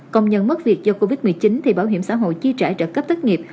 còn nhận mất việc do covid một mươi chín thì bảo hiểm xã hội chia trả trợ cấp tất nghiệp